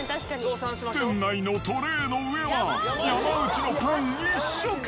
店内のトレーの上は、山内のパン一色。